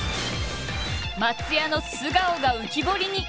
松也の素顔が浮き彫りに。